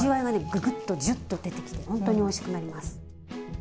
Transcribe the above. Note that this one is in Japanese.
ぐぐっとジュッと出てきて本当においしくなります。